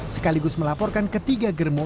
sekaligus melaporkan ketiga germotik